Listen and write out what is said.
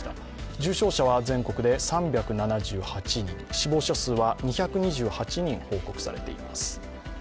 重症者は全国で３７８人死亡者数は２２８人報告されています